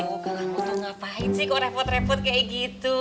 oh kalau kamu tuh ngapain sih kok repot repot kayak gitu